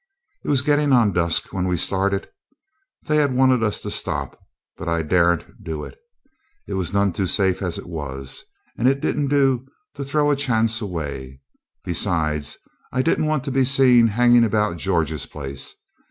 It was getting on dusk when we started. They wanted us to stop, but I daren't do it. It was none too safe as it was, and it didn't do to throw a chance away. Besides, I didn't want to be seen hanging about George's place.